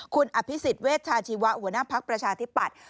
คุณอภิษฎเวชาชีวะหัวหน้าภักดิ์ประชาธิปัตย